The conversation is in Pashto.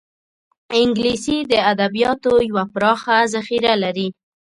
انګلیسي د ادبیاتو یوه پراخه ذخیره لري